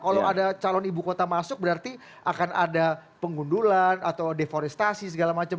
kalau ada calon ibu kota masuk berarti akan ada pengundulan atau deforestasi segala macam